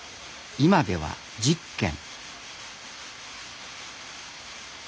今では１０軒。